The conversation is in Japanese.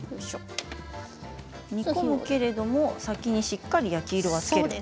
煮込むけれども先にしっかり焼き色をつけて。